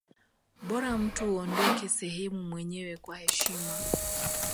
bora mtu uondoke sehemu mwenyewe kwa heshima